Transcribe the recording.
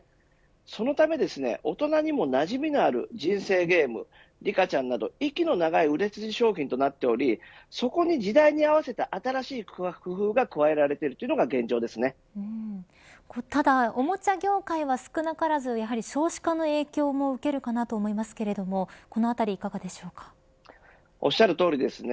そのため大人にもなじみがある人生ゲームやリカちゃんなど息の長い売れ筋商品となっておりそこに時代に合わせた新しい工夫がただおもちゃ業界は少なからずやはり少子化の影響も受けるかなと思いますけれどおっしゃるとおりです。